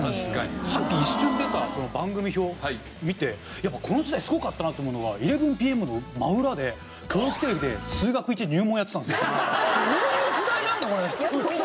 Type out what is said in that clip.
さっき一瞬出た番組表見てやっぱこの時代すごかったなって思うのは『１１ＰＭ』の真裏で教育テレビで数学Ⅰ入門やってたんですよ。